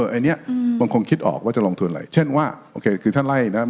อันนี้มันคงคิดออกว่าจะลงทุนอะไรเช่นว่าโอเคคือถ้าไล่นะ